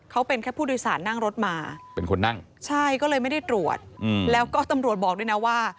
เขาเป็นแค่ผู้โดยสารนั่งรถมาเป็นคนนั่งใช่ก็เลยไม่ได้ตรวจแล้วก็ตำรวจบอกด้วยนะว่า